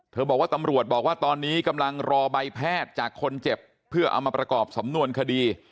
บอกว่าตำรวจบอกว่าตอนนี้กำลังรอใบแพทย์จากคนเจ็บเพื่อเอามาประกอบสำนวนคดี